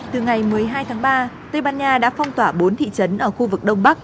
từ ngày một mươi hai tháng ba tây ban nha đã phong tỏa bốn thị trấn ở khu vực đông bắc